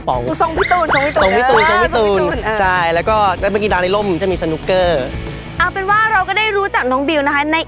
ต้องบอกเลยนะคะว่านอกจากเสียงร้องนะคะของเขานะคะที่โดดเด่นมากแล้วเนี่ย